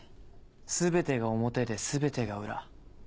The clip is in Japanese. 全てが表で全てが裏。